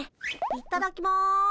いただきます。